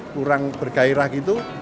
kurang bergairah gitu